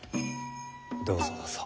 どうぞどうぞ。